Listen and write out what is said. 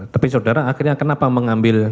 tapi saudara akhirnya kenapa mengambil